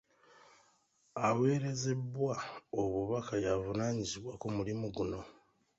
Aweerezebwa obubaka y'avunaanyizibwa ku mulimu guno.